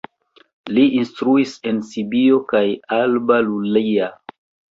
Li instruis en Sibio kaj Alba Iulia.